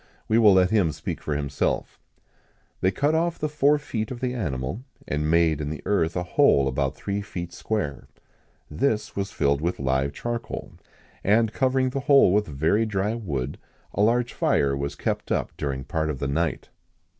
We will let him speak for himself: "They cut off the four feet of the animal, and made in the earth a hole about three feet square. This was filled with live charcoal, and, covering the whole with very dry wood, a large fire was kept up during part of the night.